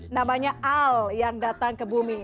namanya al yang datang ke bumi